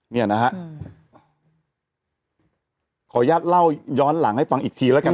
เนี่ยนะฮะขออนุญาตเล่าย้อนหลังให้ฟังอีกทีแล้วกัน